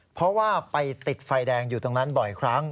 เพราะว่าไปติดไฟแดงอยู่ตรงนั้นบ่อยครั้ง